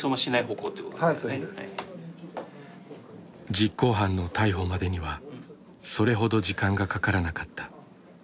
実行犯の逮捕までにはそれほど時間がかからなかった。